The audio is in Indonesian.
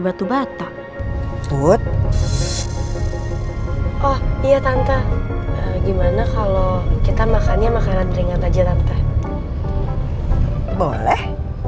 batu bata but oh iya tante gimana kalau kita makannya makanan ringan aja tangka boleh